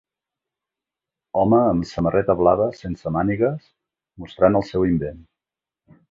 Home amb samarreta blava sense mànigues mostrant el seu invent.